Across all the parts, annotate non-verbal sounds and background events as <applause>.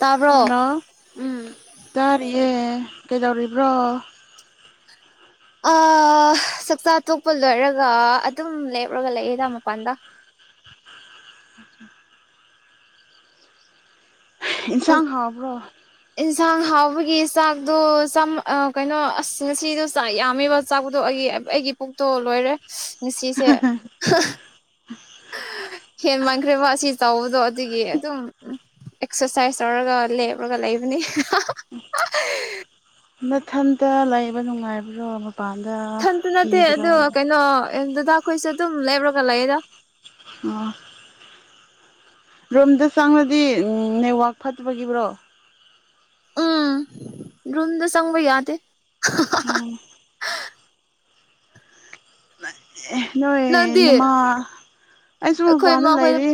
ꯇꯥꯕ꯭ꯔꯣ ꯍꯂꯣ ꯇꯔ ꯌꯦ ꯀꯦꯗꯧꯔꯔꯤꯕ꯭ꯔꯣ ꯑꯥ ꯆꯥꯛꯆꯥ ꯊꯣꯛꯄ ꯂꯣꯏꯔꯒ ꯑꯗꯨꯝ ꯂꯦꯞꯔꯒ ꯂꯩꯌꯦꯗ ꯃꯄꯥꯟꯗ ꯑ ꯏꯟꯁꯥꯡ ꯍꯥꯎꯕ꯭ꯔꯣ ꯌꯦꯟꯁꯥꯡ ꯍꯥꯎꯕꯒꯤ ꯆꯥꯛꯗꯣ ꯀꯩꯅꯣ ꯑꯁ ꯉꯁꯤꯗꯣ ꯆꯥꯛ ꯌꯥꯝꯃꯦꯕ ꯆꯥꯛꯕꯗꯣ ꯑꯩꯒꯤ ꯑꯩꯒꯤ ꯄꯨꯛꯇꯣ ꯂꯣꯏꯔꯦ ꯉꯁꯤꯁꯦ ꯍꯦꯃꯈ꯭ꯔꯦ ꯋꯥꯁꯤ ꯇꯧꯕꯗꯣ ꯑꯗꯨꯒꯤ ꯑꯗꯨꯝ ꯑꯦꯛꯁꯔꯁꯥꯏꯁ ꯇꯧꯔꯒ ꯂꯦꯞꯄꯒ ꯂꯩꯕꯅꯤ <unintelligible> ꯃꯊꯟꯇ ꯂꯩꯕ ꯅꯨꯡꯉꯥꯏꯕ꯭ꯔꯣ ꯃꯄꯥꯟꯗ ꯁꯟꯇ ꯅꯠꯇꯦ ꯀꯤꯗ꯭ꯔꯣ ꯑꯗ ꯀꯩꯅꯣ ꯗꯗꯥ ꯑꯩꯈꯣꯏꯁꯨ ꯑꯗꯨꯝ ꯂꯦꯞꯔꯒ ꯂꯩꯑꯦꯗ ꯑꯣ ꯔꯣꯝꯗ ꯆꯪꯂꯉꯗꯤ ꯅꯦꯠꯋꯥꯛ ꯐꯠꯇꯕꯒꯤꯕ꯭ꯔꯣ ꯎꯝ ꯔꯨꯝꯝꯗ ꯁꯪꯕꯩ ꯌꯥꯗꯦ ꯑꯣ ꯑꯦ ꯅꯣꯏ ꯅꯪꯗꯤ ꯅꯃꯥ ꯑꯩꯁꯨ ꯑꯩꯈꯣꯏ ꯃꯄꯥꯟꯗ ꯏꯃꯥꯈꯣꯏ ꯂꯩꯔ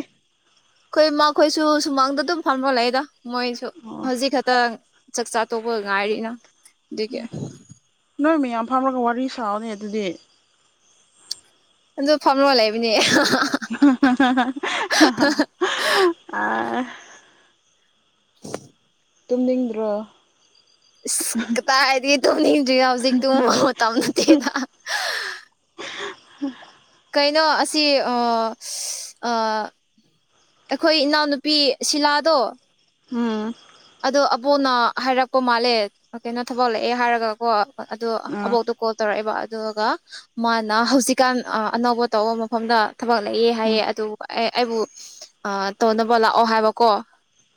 ꯑꯩꯈꯣꯏ ꯃꯈꯣꯏꯁꯨ ꯁꯨꯃꯥꯡꯗ ꯑꯗꯨꯝ ꯐꯥꯝꯃꯂꯛꯏꯗ ꯃꯣꯏꯁꯨ ꯑꯣ ꯍꯧꯖꯤꯛ ꯈꯛꯇꯪ ꯆꯥꯛ ꯆꯥ ꯇꯣꯛꯄ ꯉꯥꯏꯔꯤꯅ ꯑꯗꯒꯤ ꯌꯥꯝ ꯐꯝꯔꯒ ꯋꯥꯔꯤ ꯁꯥꯎꯅꯦ ꯑꯗꯨꯗꯤ ꯑꯗꯨꯣ ꯐꯝꯔꯣ ꯂꯩꯕꯅꯦ <unintelligible> <unintelligible> ꯇꯨꯝꯅꯤꯡꯗ꯭ꯔꯣ ꯀ ꯇꯗꯤ ꯇꯨꯅꯤꯖꯤ ꯇ ꯇ ꯑꯃꯅꯠꯇꯦꯗ ꯎꯝ ꯀꯩꯅꯣ ꯑꯁꯤ ꯑꯩꯈꯣꯏ ꯏꯅꯥꯎꯅꯨꯄꯤ ꯁꯤꯂꯥꯗꯣ ꯎꯝ ꯑꯗꯣ ꯑꯕꯣꯅ ꯍꯥꯏꯔꯛꯄ ꯃꯥꯜꯂꯦ ꯀꯩꯅꯣ ꯊꯕꯛꯂꯛꯑꯦ ꯍꯥꯏꯔꯒꯀꯣ ꯑꯗꯣ ꯑꯥ ꯑꯕꯣꯛꯇꯣ ꯀꯣꯜ ꯇꯧꯔꯛꯑꯦꯕ ꯑꯗꯨꯒ ꯃꯥꯅ ꯍꯧꯖꯤꯛꯀꯥꯟ ꯑꯅꯧꯕ ꯑ ꯇꯧꯕ ꯃꯐꯝꯗ ꯊꯕꯛ ꯂꯩꯌꯦꯦ ꯎꯝ ꯍꯥꯏꯌꯦꯦ ꯑꯗꯨ ꯑꯦ ꯑꯩꯕꯨ ꯇꯧꯅꯕ ꯂꯥꯛꯑꯣ ꯍꯥꯏꯕꯀꯣ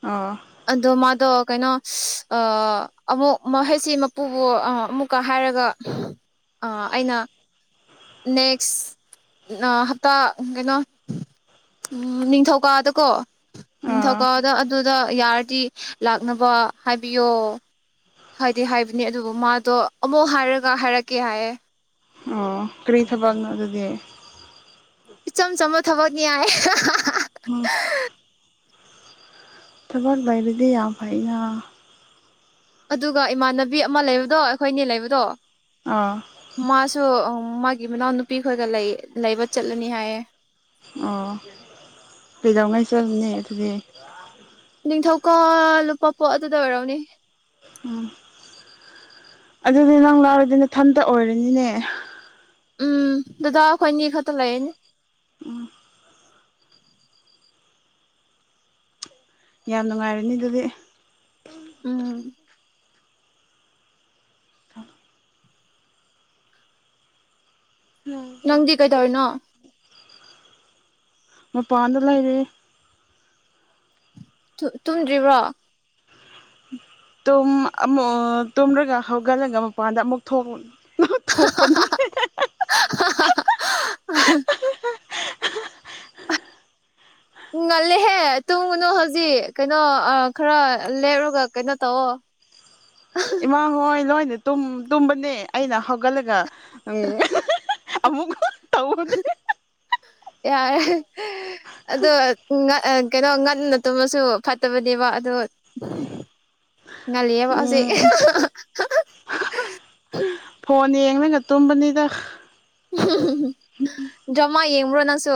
ꯑꯣ ꯑꯗꯣ ꯃꯥꯗꯣ ꯀꯩꯅꯣ ꯑꯃꯨꯛ ꯃꯈꯩꯁꯤ ꯃꯄꯨꯕ ꯑꯃꯨꯛꯀ ꯍꯥꯏꯔꯒ ꯑ ꯑꯩꯅ ꯅꯦꯛꯁ ꯍꯞꯇꯥ ꯀꯩꯅꯣ ꯎꯝ ꯅꯤꯡꯊꯧꯀꯥꯗꯀꯣ ꯑꯥ ꯅꯤꯡꯊꯧꯀꯥꯗ ꯑꯗꯨꯗ ꯌꯥꯔꯗꯤ ꯂꯥꯛꯅꯕ ꯍꯥꯏꯕꯤꯌꯣ ꯍꯥꯏꯗꯤ ꯍꯥꯏꯕꯅꯦ ꯑꯗꯨꯕꯨ ꯃꯥꯗꯣ ꯑꯃꯨꯛ ꯍꯥꯏꯔꯒ ꯍꯥꯏꯔꯛꯀꯦ ꯍꯥꯏꯌꯦꯦ ꯑꯣ ꯀꯔꯤ ꯊꯕꯛꯅꯣ ꯑꯗꯨꯗꯤ ꯏꯆꯝ ꯆꯝꯕ ꯊꯕꯛꯅꯤ ꯍꯥꯏꯏ ꯎꯝ ꯊꯕꯔ ꯏꯔꯗꯤ ꯌꯥꯝꯎ ꯐꯥꯏꯅ ꯑꯗꯨꯒ ꯏꯃꯥꯟꯅꯕꯤ ꯑꯃ ꯂꯩꯕꯗꯣ ꯑꯩꯈꯣꯏꯅꯦ ꯂꯩꯕꯗꯣ ꯑꯥ ꯃꯥꯁꯨ ꯃꯥꯒꯤ ꯃꯅꯥꯎ ꯅꯨꯄꯤ ꯈꯣꯏꯒ ꯂꯩ ꯂꯩꯕ ꯆꯠꯂꯅꯤ ꯍꯥꯏꯌꯦ ꯑꯣ ꯀꯩꯗꯧꯉꯥꯏ ꯆꯠꯂꯅꯤ ꯑꯗꯨꯗꯤ ꯅꯤꯡꯊꯧꯀꯣ ꯂꯨꯄꯥ ꯄꯣ ꯑꯗꯨꯗ ꯑꯣꯏꯔꯣꯅꯦ ꯎꯝ ꯑꯗꯨꯗꯤ ꯅꯪ ꯂꯥꯛꯔꯗꯤꯅꯦꯊꯟꯇ ꯑꯣꯏꯔꯅꯤꯅꯦ ꯎꯝ ꯗꯗꯥ ꯑꯩꯈꯣꯏꯅꯤ ꯈꯛꯇ ꯂꯩꯅꯦ ꯌꯥꯝ ꯅꯨꯡꯉꯥꯏꯔꯅꯤ ꯑꯗꯨꯗꯤ ꯎꯝ ꯅꯪꯗꯤ ꯀꯩ ꯇꯧꯔꯔꯤꯅꯣ ꯃ ꯄꯥꯎꯗꯂ ꯍꯥꯏꯗꯤ ꯇꯨꯝꯗ꯭ꯔꯤꯕ꯭ꯔꯣ ꯨ ꯇꯨꯝꯔꯒ ꯍꯧꯒꯠꯂꯒ ꯃꯄꯥꯟꯗ ꯑꯃꯨꯛ ꯊꯣꯛꯎ <unintelligible> <unintelligible> ꯉꯜꯂꯦꯍꯦ ꯇꯨꯡꯉꯨꯅꯨ ꯍꯧꯖꯤꯛ ꯀꯩꯅꯣ ꯈꯔ ꯂꯦꯞꯔꯒ ꯀꯩꯅꯣ ꯇꯧꯑꯣ <unintelligible> ꯏꯃꯥ ꯍꯣꯏ ꯅꯣꯏꯅ ꯇꯨꯝꯕꯅꯦ ꯑꯩꯅ ꯍꯧꯒꯠꯂꯒ ꯎꯝ ꯑꯃꯨꯛ ꯇꯧꯕꯅꯦ ꯌꯥꯔꯦ ꯑꯗꯣ ꯀꯩꯅꯣ ꯉꯟꯅ ꯇꯨꯝꯃꯁꯨ ꯐꯠꯇꯕꯅꯦꯕ ꯑꯗꯨ ꯉꯂꯤꯂꯤꯌꯥꯕꯁꯦ ꯎꯝ ꯐꯣꯟ ꯌꯦꯡꯒ ꯇꯨꯝꯕꯅꯤꯗ ꯖꯃꯥ ꯌꯦꯡꯕ꯭ꯔꯣ ꯅꯪꯁꯨ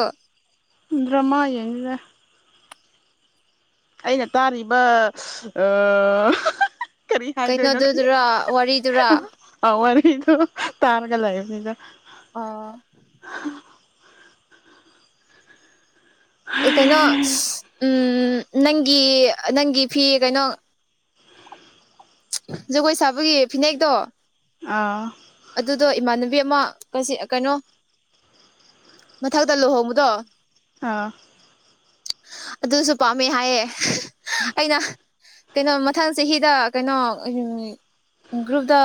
ꯗ꯭ꯔꯃꯥꯥꯏꯗ ꯑꯩꯅ ꯇꯥꯔꯤꯕ ꯈꯔꯤ ꯍꯥꯏꯗꯣꯏꯅꯣ ꯀꯩꯅꯣꯗꯨꯗꯨꯔꯥ ꯋꯥꯔꯤꯗꯨꯔꯥ ꯈꯪꯗꯦ ꯇꯔꯒ ꯂ ꯐꯗ ꯑ ꯀꯩꯅꯣ ꯎꯝ ꯅꯪꯒꯤ ꯅꯪꯒꯤ ꯐꯤ ꯀꯩꯅꯣ ꯖꯒꯣꯏ ꯁꯥꯕꯒꯤ ꯐꯤꯅꯦꯛꯇꯣ ꯑꯥ ꯑꯗꯨꯗꯣ ꯏꯃꯥꯟꯅꯕꯤ ꯕꯦꯛ ꯑꯃ ꯀꯁꯤ ꯀꯩꯅꯣ ꯃꯊꯛꯇ ꯂꯨꯍꯣꯡꯕꯗꯣ ꯑ ꯑꯗꯨꯁꯨ ꯄꯥꯝꯃꯦ ꯍꯥꯏꯌꯦ ꯑꯩꯅ ꯀꯩꯅꯣ ꯃꯊꯪ ꯆꯍꯤꯗ ꯀꯩꯅꯣ ꯒ꯭ꯔꯨꯞꯇ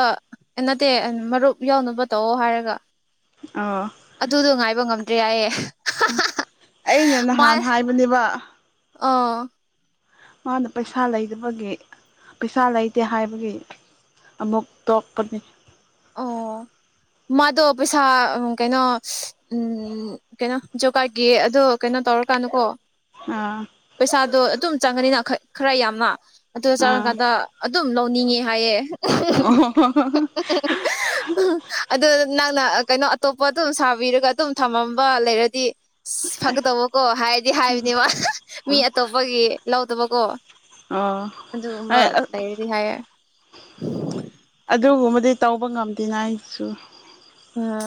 ꯅꯠꯇꯦ ꯃꯔꯨꯞ ꯌꯥꯎꯅꯕ ꯇꯧꯑꯣ ꯍꯥꯏꯔꯒ ꯑꯣ ꯑꯗꯨꯗꯣ ꯉꯥꯏꯕ ꯉꯝꯗ꯭ꯔꯦ ꯍꯥꯏꯌꯦꯦ ꯑꯩꯅ ꯅꯍꯥꯟ ꯍꯥꯏꯕꯅꯦꯕ ꯑꯥ ꯃꯥꯅ ꯄꯩꯁꯥ ꯂꯩꯇꯕꯒꯤ ꯄꯩꯁꯥ ꯂꯩꯇꯦ ꯍꯥꯏꯕꯒꯤ ꯑꯃꯨꯛ ꯇꯣꯛꯀꯅꯤ ꯑ ꯃꯥꯗꯣ ꯄꯩꯁꯥ ꯀꯩꯅꯣ ꯎꯝ ꯀꯩꯅꯣ ꯖꯒꯥꯥꯏꯒꯤ ꯑꯗꯣ ꯀꯩꯅꯣ ꯇꯔꯀꯥꯅꯨꯀꯣ ꯑꯥ ꯄꯩꯁꯥꯗꯣ ꯑꯗꯨꯝ ꯆꯪꯉꯅꯤꯅ ꯈꯔ ꯌꯥꯝꯅ ꯑꯗꯨ ꯑꯥ ꯆꯪꯉꯀꯥꯟꯗ ꯑꯗꯨꯝ ꯁꯨꯝ ꯂꯧꯅꯤꯡꯉꯦ ꯍꯥꯏꯌꯦꯦ ꯑꯣ ꯍ ꯑꯗꯨ <unintelligible> ꯅꯪꯅ ꯀꯩꯅꯣ ꯑꯇꯣꯞꯄ ꯑꯗꯨꯝ ꯁꯥꯕꯤꯔꯒ ꯑꯗꯨꯝ ꯊꯝꯃꯝꯕ ꯂꯩꯔꯗꯤ ꯑꯁ ꯐꯒꯗꯧꯕꯀꯣ ꯍꯥꯏꯗꯤ ꯍꯥꯏꯕꯅꯦꯕ ꯃꯤ ꯑꯇꯣꯞꯄꯒꯤ ꯂꯧꯗꯕꯀꯣ ꯑꯗꯨꯒꯨꯝꯕ ꯑꯣ ꯂꯩꯔꯗꯤ ꯍꯥꯏꯌꯦ ꯑꯗꯨꯕꯨ ꯗꯤ ꯇꯧꯕ ꯉꯝꯗꯦꯉꯥꯏ ꯑꯩꯁꯨ ꯉ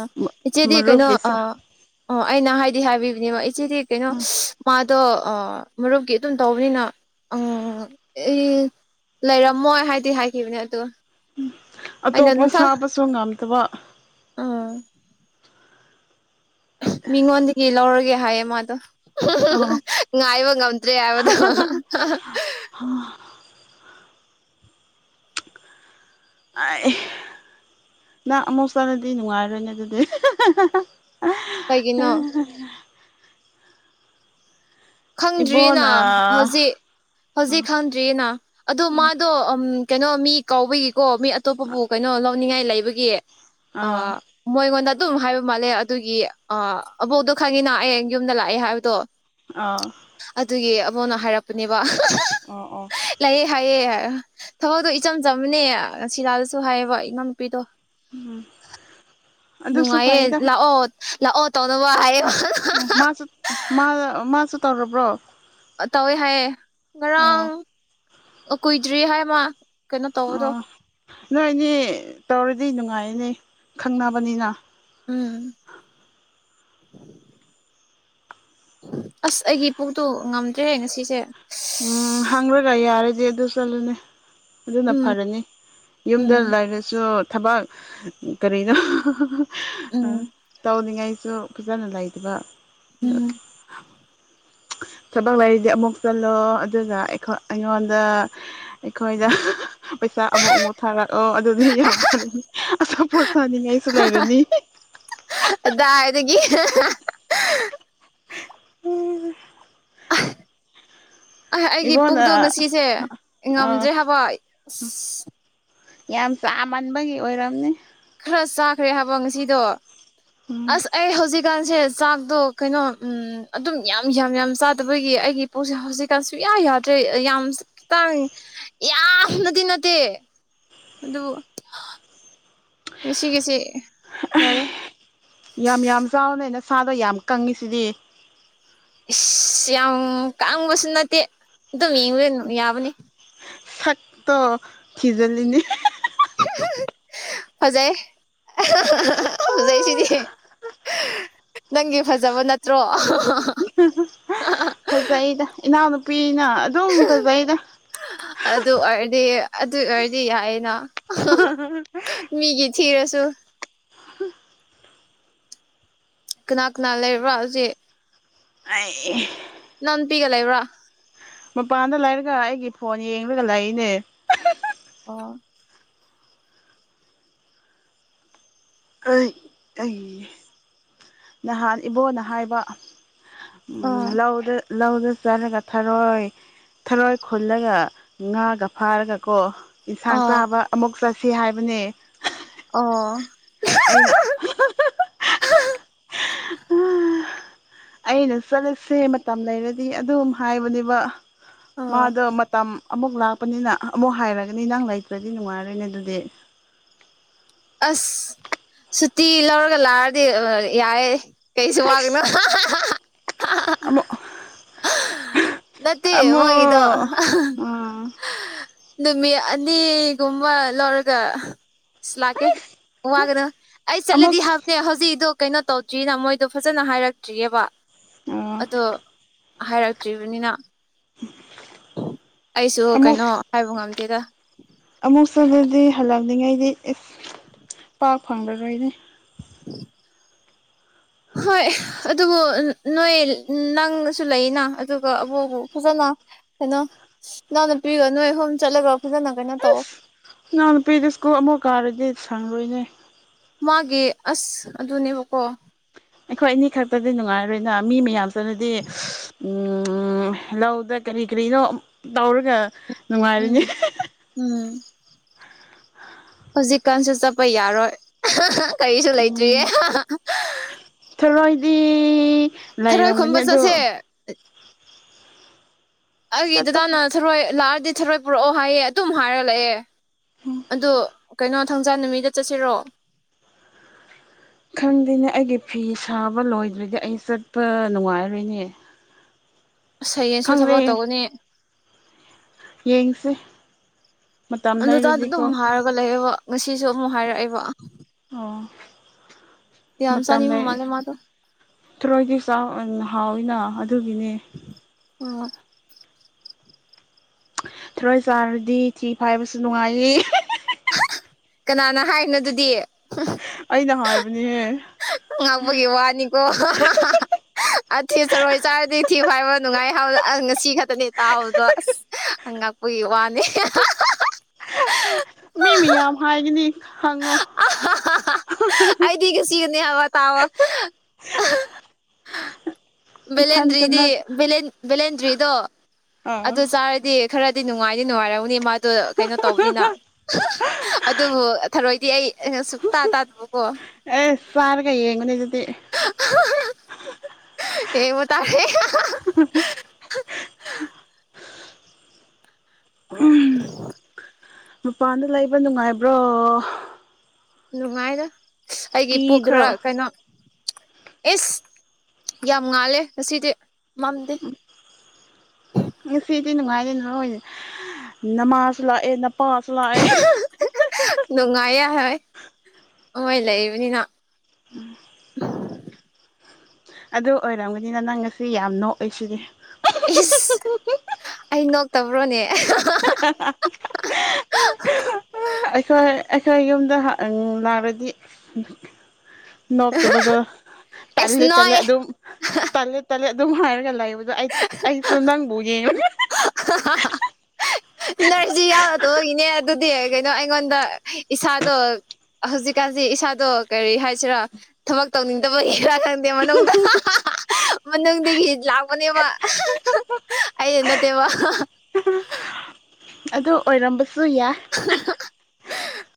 ꯏꯆꯦꯗꯤ ꯀꯩꯅꯣ ꯑ ꯃꯔꯨꯞꯀꯤꯁꯨ ꯑ ꯑꯩꯅ ꯍꯥꯏꯗꯤ ꯍꯥꯏꯕꯤ ꯑꯗꯨꯅꯦꯕ ꯏꯆꯦꯗꯤ ꯀꯩꯅꯣ ꯃꯥꯗꯣ ꯑ ꯃꯔꯨꯞꯀꯤ ꯑꯗꯨꯝ ꯇꯧꯕꯅꯤꯅ ꯑꯧ ꯑꯩ ꯂꯩꯔꯝꯃꯣꯏ ꯍꯥꯏꯗꯤ ꯍꯥꯏꯈꯤꯕꯅꯦ ꯑꯗꯣ ꯑꯩꯅ ꯑꯇꯣꯞꯄ ꯃꯊꯪ ꯁꯥꯕꯁꯨ ꯉꯝꯗꯕ ꯎꯝ ꯃꯤꯉꯣꯟꯗꯒꯤ ꯂꯧꯔꯒꯦ ꯍꯥꯏꯌꯦ ꯃꯥꯗꯣ ꯑꯣ ꯉꯥꯏꯕ ꯉꯝ ꯗ꯭ꯔꯦ ꯍꯥꯏꯕꯗꯣ ꯑꯥꯏ ꯅꯪ ꯑꯃꯨꯛ ꯆꯠꯂꯗꯤ ꯅꯨꯡꯉꯥꯏꯔꯣꯏꯅꯦ ꯑꯗꯨꯗꯤ ꯀꯩꯒꯤꯅꯣ ꯈꯪꯗ꯭ꯔꯤꯅꯥ ꯏꯕꯣꯅ ꯑꯥ ꯍꯧꯖꯤꯛ ꯍꯧꯖꯤꯛ ꯈꯪꯗ꯭ꯔꯤꯅꯥ ꯑꯗꯣ ꯃꯥꯗꯣ ꯎꯝ ꯀꯩꯅꯣ ꯃꯤ ꯀꯥꯎꯕꯒꯤꯀꯣ ꯃꯤ ꯑꯇꯣꯞꯄꯕꯨ ꯀꯩꯅꯣ ꯂꯧꯅꯤꯡꯉꯥꯏ ꯂꯩꯕꯒꯤ ꯑ ꯑꯥ ꯃꯣꯏꯒꯣꯟꯗ ꯑꯗꯨꯝ ꯍꯥꯏꯕ ꯃꯥꯜꯂꯦ ꯑꯗꯨꯒꯤ ꯑ ꯑꯕꯣꯛꯇꯣ ꯈꯪꯉꯤꯅ ꯑꯩ ꯍꯌꯦꯡ ꯌꯨꯝꯗ ꯂꯥꯛꯑꯦ ꯍꯥꯏꯕꯗꯣ ꯑꯗꯨꯒꯤ ꯑꯕꯣꯛꯅ ꯍꯥꯏꯔꯛꯄꯅꯦꯕ ꯑꯣ ꯑꯣ ꯂꯩꯑꯦ ꯍꯥꯏꯌꯦ ꯊꯕꯛꯇꯣ ꯏꯆꯝ ꯆꯝꯕꯅꯦ ꯁꯤꯔꯥꯗꯁꯨ ꯍꯥꯏꯌꯦꯕ ꯏꯅꯥꯎꯅꯨꯄꯤꯗꯣ ꯎꯝ ꯑꯗꯨꯁꯨ ꯅꯨꯡꯉꯥꯏꯌꯦ ꯐꯩꯗ ꯂꯥꯛꯑꯣ ꯂꯥꯛꯑꯣ ꯇꯧꯅꯕ ꯍꯥꯏꯌꯦ ꯎꯝ ꯃꯥꯁꯨ ꯃꯥ ꯃꯥꯁꯨ ꯇꯧꯔꯕ꯭ꯔꯣ ꯇꯧꯋꯦ ꯍꯥꯏꯌꯦ ꯑꯣ ꯉꯔꯥꯡ ꯀꯨꯏꯗ꯭ꯔꯤ ꯍꯥꯏ ꯃꯥ ꯀꯩꯅꯣ ꯇꯧꯕꯗꯣ ꯑꯣ ꯅꯣꯏꯅꯤ ꯇꯧꯔꯗꯤ ꯅꯨꯡꯉꯥꯏꯅꯦ ꯈꯪꯅꯕꯅꯤꯅ ꯎꯝ ꯑꯁ ꯑꯩꯒꯤ ꯄꯨꯛꯇꯣ ꯉꯝꯗ꯭ꯔꯦ ꯉꯁꯤꯁꯦ ꯎꯝ ꯍꯪꯔꯒꯥ ꯌꯥꯔꯗꯤ ꯑꯗꯨ ꯆꯠꯂꯅꯤ ꯑꯗꯨꯅ ꯎꯝ ꯐꯔꯅꯤ ꯌꯨꯝꯗ ꯎꯝ ꯂꯩꯔꯁꯨ ꯊꯕꯛ ꯀꯔꯤꯅꯣ ꯎꯝ ꯇꯧꯅꯤꯡꯉꯥꯏ ꯁꯨ ꯐꯖꯅ ꯂꯩꯇꯕ ꯎꯝ ꯊꯕꯛ ꯂꯩꯔꯤꯗꯤ ꯑꯃꯨꯛ ꯆꯠꯂꯣ ꯑꯗꯨꯅ ꯑꯩꯈꯣꯏ ꯑꯩꯉꯣꯟꯗ ꯑꯩꯈꯣꯏꯗ ꯄꯩꯁꯥ ꯑꯃꯨꯛ ꯑꯃꯨꯛ ꯊꯥꯔꯛꯑꯣ ꯑꯗꯨꯗꯤ ꯌꯥꯝ ꯐꯔꯅꯤ ꯑꯆꯥꯄꯣꯠ ꯆꯥꯅꯤꯡꯉꯥꯏꯁꯨ ꯂꯩꯔꯅꯤ ꯀꯗꯥꯏꯗꯒꯤ ꯑ ꯑꯩꯒꯤ ꯄꯨꯛꯇꯣ ꯏꯕꯣꯅ ꯉꯁꯤꯁꯦ ꯑ ꯉꯝꯗ꯭ꯔꯦ ꯍꯥꯏꯕ ꯑꯁ ꯌꯥꯝ ꯆꯥꯃꯟꯕꯒꯤ ꯑꯣꯏꯔꯝꯅꯤ ꯈꯔ ꯆꯥꯈ꯭ꯔꯦ ꯍꯥꯏꯕꯣ ꯉꯁꯤꯗꯣ ꯎꯝ ꯑꯁ ꯑꯩ ꯍꯧꯖꯤꯛ ꯍꯧꯖꯤꯛꯀꯥꯟꯁꯦ ꯆꯥꯛꯇꯣ ꯀꯩꯅꯣ ꯎꯝ ꯑꯗꯨꯝ ꯌꯥꯝ ꯌꯥꯝ ꯌꯥꯝ ꯆꯥꯗꯕꯒꯤ ꯑꯩꯒꯤ ꯄꯨꯛꯁꯦ ꯍꯧꯖꯤꯛꯀꯥꯟꯁꯦ ꯌꯥ ꯌꯥꯗ꯭ꯔꯦ ꯌꯥꯝꯁ ꯇꯥꯡ ꯌꯥꯝꯅꯗꯤ ꯅꯠꯇꯦ ꯑꯗꯨ ꯉꯁꯤꯒꯤꯁꯦ ꯌꯥꯝ ꯌꯥꯝ ꯆꯥꯎꯅꯦ ꯅꯁꯥꯗꯣ ꯌꯥꯝ ꯀꯪꯉꯤꯁꯤꯗꯤ ꯏꯁꯁ ꯌꯥꯝ ꯀꯥꯡꯕꯁꯨ ꯅꯠꯇꯦ ꯑꯗꯨꯝ ꯌꯦꯡꯕꯗꯤ ꯑꯗꯨꯝ ꯌꯥꯕꯅꯤ ꯁꯛꯇꯣ ꯊꯤꯖꯜꯂꯤꯅꯤ ꯍꯣꯖꯩ ꯍꯣꯖꯩ ꯁꯤꯗꯤ ꯅꯪꯒꯤ ꯐꯖꯕ ꯅꯠꯇ꯭ꯔꯣ ꯐꯖꯩꯗ ꯏꯅꯥꯎꯅꯨꯄꯤꯅ ꯑꯗꯨꯝ ꯐꯖꯩꯗ ꯑꯗꯨ ꯑꯣꯏꯔꯗꯤ ꯑꯗꯨ ꯑꯣꯏꯔꯗꯤ ꯌꯥꯏꯌꯦꯅꯥ ꯃꯤꯒꯤ ꯊꯤꯔꯁꯨ ꯍ ꯀꯅꯥ ꯀꯅꯥ ꯂꯩꯕ꯭ꯔꯥ ꯍꯧꯖꯤꯛ ꯑꯩ ꯂꯩꯕꯔꯥ ꯃꯄꯥꯟꯗ ꯂꯩꯔꯒ ꯑꯩꯒꯤ ꯐꯣꯟ ꯌꯦꯡꯂꯒ ꯂꯥꯛꯏꯅꯦ ꯑꯣ ꯑꯩ ꯑꯩꯒꯤ ꯅꯍꯥꯟ ꯏꯕꯣꯅ ꯍꯥꯏꯕ ꯎꯝ ꯑꯣ ꯂꯧꯗ ꯂꯧꯗ ꯆꯥꯔꯒ ꯊꯔꯣꯏ ꯊꯔꯣꯏ ꯈꯨꯜꯂꯒ ꯉꯥꯒ ꯐꯥꯔꯒꯀꯣ ꯏꯟꯁꯥꯡ ꯑꯣ ꯆꯥꯕ ꯑꯃꯨꯛ ꯆꯠꯁꯤ ꯍꯥꯏꯕꯅꯦ ꯑꯣ ꯑꯩꯅ ꯑꯩꯅ ꯆꯠꯂꯁꯦ ꯃꯇꯝ ꯂꯩꯔꯗꯤ ꯑꯗꯨꯝ ꯍꯥꯏꯕꯅꯦꯕ ꯑꯣ ꯃꯥꯗ ꯃꯇꯝ ꯑꯃꯨꯛ ꯂꯥꯞ ꯂꯄꯅꯤꯅ ꯑꯃꯨꯛ ꯍꯥꯏꯔꯒꯅꯤ ꯅꯪ ꯂꯩꯇ꯭ꯔꯗꯤ ꯅꯨꯡꯉꯥꯏꯔꯣꯏꯅꯦ ꯑꯗꯨꯗꯤ ꯑꯁ ꯁꯨꯇꯤ ꯂꯧꯔꯒ ꯂꯥꯛꯑꯗꯤ ꯌꯥꯏ ꯀꯩꯁꯨ ꯋꯥꯒꯅꯣ ꯍꯩꯁ ꯑꯃꯨꯛ ꯅꯇꯦ ꯃꯣꯏꯒꯤꯗ ꯑꯃꯨꯛ ꯎꯝ ꯅꯨꯃꯤꯠ ꯑꯅꯤꯒꯨꯝꯕ ꯂꯧꯔꯒ ꯂꯥꯛꯀꯦ ꯋꯥꯒꯅꯣ ꯑꯩ ꯑꯃꯨꯛ ꯆꯠꯂꯗꯤ ꯍꯥꯞꯀꯦ ꯍꯧꯖꯤꯛꯗꯣ ꯀꯩꯅꯣ ꯇꯧꯗ꯭ꯔꯤꯅ ꯃꯣꯏꯗꯣ ꯐꯖꯅ ꯍꯥꯏꯔꯛꯇ꯭ꯔꯤꯑꯕ ꯑꯥ ꯑꯗꯣ ꯍꯥꯏꯔꯛꯇ꯭ꯔꯤꯕꯅꯤꯅ ꯑꯩꯁꯨ ꯑꯃꯨꯛ ꯀꯩꯅꯣ ꯍꯥꯏꯕ ꯉꯝꯗꯦꯗ ꯑꯗꯨ ꯍꯜꯂꯝꯛꯅꯤꯡꯉꯩꯗꯤ ꯏꯐ ꯄꯥꯛ ꯐꯪꯒꯔꯣꯏꯗꯤ <inaudible> <inaudible> ꯍꯣꯏ ꯑꯗꯨꯕꯨ ꯅꯣꯏ ꯅꯪꯁꯨ ꯂꯩꯅ ꯑꯗꯨꯒ ꯑꯕꯕꯨ ꯖꯂ ꯀꯩꯅꯣ ꯅꯅꯥꯎ ꯅꯨꯄꯤꯒ ꯅꯣꯏ ꯑꯍꯨꯝ ꯆꯠꯂꯒ ꯐꯖꯅ ꯀꯩꯅꯣ ꯇꯧ ꯏꯅꯥꯑꯣ ꯅꯨꯄꯤꯗ ꯁ꯭ꯀꯨꯜ ꯑꯃꯨꯛ ꯀꯥꯔꯗꯤ ꯁꯪꯔꯣꯏꯅꯦ ꯃꯥꯒꯤ ꯑꯁ ꯑꯗꯨꯅꯦꯕꯀꯣ ꯑꯩꯈꯣꯏ ꯑꯅꯤ ꯈꯛꯇꯗꯤ ꯅꯨꯡꯉꯥꯏꯔꯣꯏꯅ ꯃꯤ ꯃꯌꯥꯝꯁꯤꯅꯗꯤ ꯂꯧꯗ ꯀꯔꯤ ꯀꯔꯤꯅꯣ ꯇꯧꯔꯒ ꯅꯨꯡꯉꯥꯏꯔꯅꯤ ꯎꯝ ꯎꯝ ꯍꯧꯖꯤꯛꯀꯥꯟꯁꯨ ꯆꯠꯄ ꯌꯥꯔꯣꯏ ꯀꯔꯤꯁꯨ ꯎꯝ ꯂꯩꯇ꯭ꯔꯤꯌꯦ ꯊꯔꯣꯏꯗꯤ ꯊꯔꯣꯏ ꯂꯩꯔꯝꯒꯅꯤ ꯈꯨꯟꯕ ꯑꯗꯣ ꯆꯠꯁꯦ ꯑꯩꯒꯤ ꯆꯠꯄ ꯐꯪ ꯗꯗꯥꯅ ꯊꯔꯣꯏ ꯂꯥꯛꯑꯗꯤ ꯊꯔꯣꯏ ꯄꯨꯔꯛꯑꯣ ꯍꯥꯏꯌꯦ ꯑꯗꯨꯝ ꯍꯥꯏꯔ ꯂꯥꯛꯑꯦ ꯑꯗꯣ ꯀꯩꯅꯣ ꯊꯥꯡꯖꯥꯟ ꯅꯨꯃꯤꯗ ꯆꯠꯁꯤꯔꯣ <inaudible> ꯈꯪꯗꯦꯅꯦ ꯑꯩꯒꯤ ꯐꯤ ꯁꯥꯕ ꯂꯣꯏꯗ꯭ꯔꯗꯤ ꯑꯩ ꯆꯠꯄ ꯅꯨꯡꯉꯥꯏꯔꯅꯦ ꯁꯌꯦꯡꯁꯨ ꯊꯕꯛ ꯇꯧꯒꯅꯤ ꯌꯦꯡꯡꯁꯦ ꯑꯗꯨꯇꯥꯗ ꯑꯗꯨꯝ ꯍꯥꯏꯔꯒ ꯂꯩꯌꯦꯦꯕ ꯉꯁꯤꯁꯨ ꯑꯃꯨꯛ ꯍꯥꯏꯔꯛꯑꯦꯕ ꯌꯥꯝ ꯃꯇꯝꯗ ꯆꯥꯅꯤꯡꯕ ꯃꯥꯜꯂꯦ ꯃꯥꯗꯣ ꯇ꯭ꯔꯣꯏꯒꯤ ꯆꯥꯎ ꯍꯥꯎꯅ ꯑꯗꯨꯒꯤꯅꯦ ꯑꯣ ꯊꯔꯣꯏ ꯆꯥꯔꯗꯤ ꯊꯤ ꯐꯥꯏꯕꯁꯨ ꯅꯨꯡꯉꯥꯏꯌꯦ ꯀꯅꯥꯅ ꯍꯥꯏꯅꯣ ꯑꯗꯨꯗꯤ ꯑꯩꯅ ꯍꯥꯏꯕꯅꯤꯍꯦ ꯉꯥꯡꯕꯒꯤ ꯋꯥꯅꯤꯀꯣ ꯑꯊꯤ ꯆꯔꯣꯏ ꯆꯥꯔꯗꯤ ꯊꯤꯕ ꯍꯥꯏꯕ ꯅꯨꯡꯉꯥꯏ ꯍꯥꯏꯕꯗꯣ ꯑꯁ ꯉꯁꯤ ꯈꯛꯇꯅꯦ ꯇꯥꯎꯕꯗꯣ ꯑꯁ ꯉꯛꯄꯒꯤ ꯋꯥꯅꯤ ꯃꯤ ꯃꯤꯌꯥꯝ ꯍꯥꯏꯒꯅꯤ ꯈꯪꯉꯣ ꯑꯩꯗꯤꯒꯁꯤꯒꯅꯦ ꯍꯥꯏꯋꯥ ꯇꯥꯋꯥ ꯏꯊꯟꯇ ꯚꯦꯂꯦꯟꯗ꯭ꯔꯤꯗꯤ ꯅꯠ ꯚꯦꯂꯦꯟꯗ꯭ꯔꯤꯗꯣ ꯑꯥ ꯑꯗꯨ ꯆꯥꯔꯗꯤ ꯈꯔ ꯑꯗꯨꯗꯤ ꯅꯨꯡꯉꯥꯏꯗꯤ ꯅꯨꯡꯉꯥꯏꯔꯧꯅꯤ ꯃꯥꯗꯣ ꯀꯩꯅꯣ ꯇꯧꯕꯅꯤꯅ ꯑꯗꯨꯕꯨ ꯗꯤꯏ ꯁꯛꯇꯇꯥ ꯇ ꯑꯗꯨꯃꯀꯣ ꯑꯦ ꯆꯥꯔꯒ ꯌꯦꯡꯉꯨꯅꯦ ꯑꯗꯨꯗꯤ ꯑꯦꯕꯨ ꯇꯔꯦ <unintelligible> ꯃꯄꯥꯟꯗ ꯂꯩꯕ ꯅꯨꯡꯉꯥꯏꯕ꯭ꯔꯣ ꯅꯨꯡꯉꯥꯏꯔ ꯑꯩꯒꯤ ꯄꯨꯣ ꯀꯤꯗ꯭ꯔꯣ ꯈꯔ ꯀꯩꯅꯣ ꯑꯦꯁ ꯌꯥꯝ ꯉꯥꯜꯂꯦ ꯉꯁꯤꯗꯤ ꯃꯝꯗꯦ ꯁꯤꯗꯤ ꯅꯨꯡꯉꯥꯏꯔꯦ ꯅꯣꯏꯅꯦ ꯅꯃꯥꯖꯁꯨ ꯂꯥꯛꯑꯦ ꯄꯥꯁ ꯂꯥꯛꯑ ꯅꯨꯡꯉꯥꯏ ꯌꯥꯔꯣꯏ ꯃꯣꯏ ꯂꯩꯕꯅꯤꯅ ꯎ ꯑꯗꯨ ꯑꯣꯏꯔꯝꯒꯅꯤꯅ ꯅꯪ ꯉꯁꯤ ꯌꯥꯝ ꯅꯣꯛꯏ ꯁꯤꯗꯤ ꯏꯁꯁ ꯑꯩ ꯅꯣꯛꯇꯕ꯭ꯔꯣꯅꯦ <unintelligible> <unintelligible> ꯑꯩꯈꯣꯏ ꯑꯩꯈꯣꯏ ꯌꯨꯝꯗ ꯂꯅꯥꯔꯗꯤ ꯅꯣ ꯇꯕꯗꯨ ꯑꯦꯁ ꯇꯂ ꯇꯂꯦ ꯅꯣꯛꯑꯦ ꯑꯗꯨ ꯇꯂ ꯇꯂꯦ ꯑꯗꯨ ꯍꯥꯏꯔꯒꯂ ꯏ ꯗꯣ ꯑꯩ ꯑꯩꯁꯨ ꯅꯪꯕꯨ ꯌꯦꯡꯉ ꯑ ꯅꯔꯖꯤ ꯌꯥꯎꯔꯗꯒꯤꯅꯦ ꯑꯗꯨꯗꯤ ꯀꯩꯅꯣ ꯑꯩꯉꯣꯟꯗ ꯏꯁꯥꯗꯣ ꯍꯧꯖꯤꯛꯀꯥꯟꯁꯤ ꯏꯁꯥꯗꯣ ꯀꯔꯤ ꯍꯥꯏꯁꯤꯔꯥ ꯊꯕꯛ ꯇꯧꯅꯤꯡꯗꯕꯒꯤꯦꯔꯥ ꯈꯪꯗꯦ ꯃꯅꯨꯡꯗ ꯃꯅꯨꯡꯗꯒꯤꯗꯒꯤ ꯂꯥꯛꯄꯅꯦꯕ ꯑꯩꯗꯤ ꯅꯠꯇꯦꯕ ꯎ ꯑꯗꯨ ꯑꯣꯏꯔꯝꯕꯁꯨ ꯌꯥꯏ